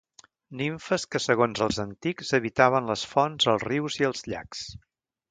Nimfes que, segons els antics, habitaven les fonts, els rius i els llacs.